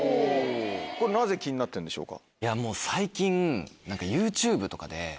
これなぜ気になってるんでしょうか？